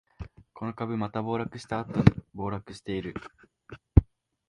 この株、また暴落したあと暴騰してる